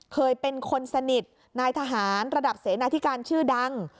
เคยเป็นคนสนิทนายทหารระดับเสนาธิการชื่อดัง